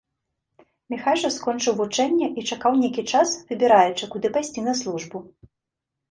Міхась жа скончыў вучэнне і чакаў нейкі час, выбіраючы, куды пайсці на службу.